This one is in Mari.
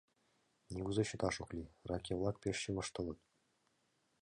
— Нигузе чыташ ок лий: раке-влак пеш чывыштылыт.